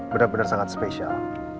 bener bener sangat spesial